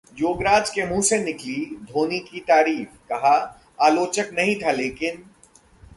योगराज के मुंह से निकली धोनी की तारीफ, कहा- आलोचक नहीं था लेकिन...